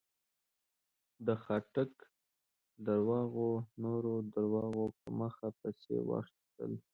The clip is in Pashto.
د خاټک درواغو نور درواغ په مخه پسې واخيستل.